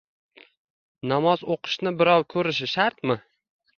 — Namoz o‘qishni birov ko‘rishi shartmi?